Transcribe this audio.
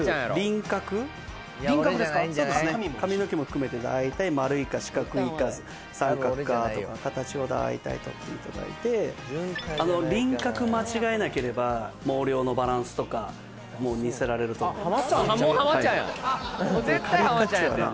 そうですね髪の毛も含めて大体丸いか四角いか三角かとか形を大体とっていただいて輪郭間違えなければ毛量のバランスとかも似せられると思います